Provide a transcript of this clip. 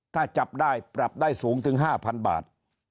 ถ้าจับได้ปรับได้สูงถึง๕๐๐บาท